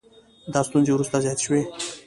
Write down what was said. دا ستونزې وروسته زیاتې شوې